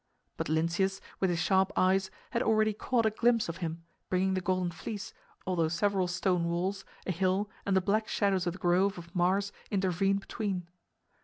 But Lynceus, with his sharp eyes, had already caught a glimpse of him, bringing the Golden Fleece, although several stone walls, a hill, and the black shadows of the Grove of Mars intervened between.